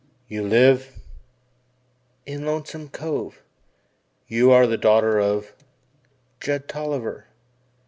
"You live " "In Lonesome Cove." "You are the daughter of " "Judd Tolliver."